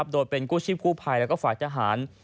โดยเป็นกู้ชีพกู้ภัยและฝ่ายทหาร